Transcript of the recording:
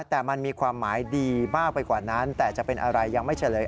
แต่มันมีความหมายดีมากไปกว่านั้นแต่จะเป็นอะไรยังไม่เฉลย